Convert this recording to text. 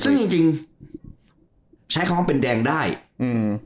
ซึ่งจริงจริงใช้คำว่าเป็นแดงได้อืม